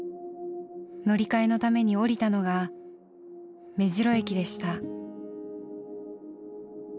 乗り換えのために降りたのが目白駅でした。